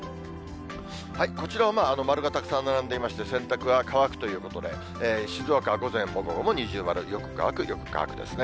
こちらは丸がたくさん並んでいまして、洗濯は乾くということで、静岡は午前も午後も二重丸、よく乾く、よく乾くですね。